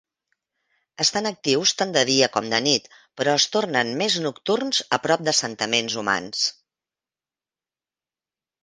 Estan actius tant de dia com de nit, però es tornen més nocturns a prop d'assentaments humans.